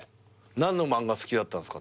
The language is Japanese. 何の漫画好きだったんすか？